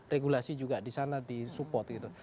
regulasi juga disana disupport gitu